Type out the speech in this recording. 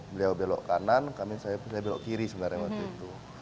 beliau belok kanan saya belok kiri sebenarnya waktu itu